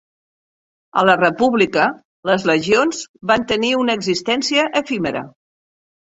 A la República, les legions van tenir una existència efímera.